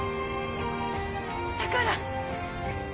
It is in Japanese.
だから